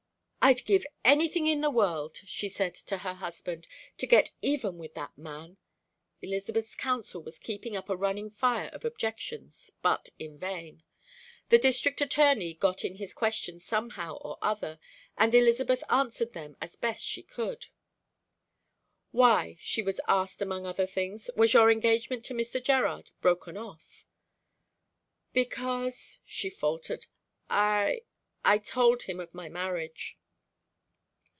"I'd give anything in the world," she said to her husband, "to get even with that man." Elizabeth's counsel was keeping up a running fire of objections, but in vain. The District Attorney got in his questions somehow or another, and Elizabeth answered them as best she could. "Why," she was asked among other things, "was your engagement to Mr. Gerard broken off?" "Because," she faltered, "I I told him of my marriage."